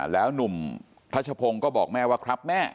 แล้วหนุ่มทัชพงศ์ก็บอกแม่ว่าครับแม่